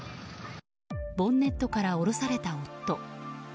ボンネットから降ろされた夫。